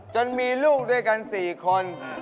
จนมีลูกด้วยกัน๔คน